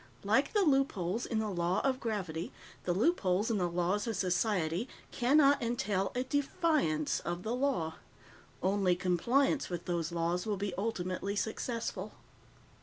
Like the loopholes in the law of gravity, the loopholes in the laws of society can not entail a defiance of the law. Only compliance with those laws will be ultimately successful.